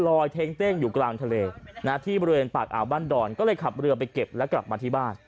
เท้งเต้งอยู่กลางทะเลนะที่บริเวณปากอ่าวบ้านดอนก็เลยขับเรือไปเก็บแล้วกลับมาที่บ้าน